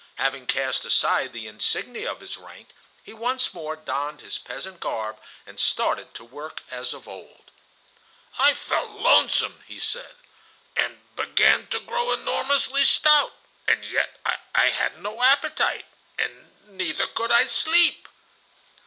Having cast aside the insignia of his rank, he once more donned his peasant garb and started to work as of old. "I felt lonesome," he said, "and began to grow enormously stout, and yet I had no appetite, and neither could I sleep."